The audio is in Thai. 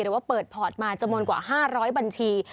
ว่าเปิดพอร์ตมาจำนวนกว่า๕๐๐บัญชี